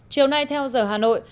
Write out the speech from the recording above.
chiều nay theo giờ hà nội